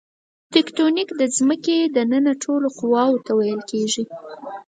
تکتونیک د ځمکې دننه ټولو قواوو ته ویل کیږي.